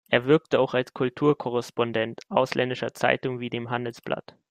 Er wirkte auch als Kulturkorrespondent ausländischer Zeitungen wie dem Handelsblatt.